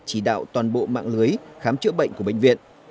chỉ đạo toàn bộ mạng lưới khám chữa bệnh của bệnh viện